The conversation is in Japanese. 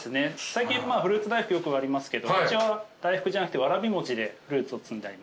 最近フルーツ大福よくありますけどうちは大福じゃなくてわらび餅でフルーツを包んでありますね。